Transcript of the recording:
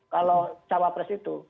kalau jawab pres itu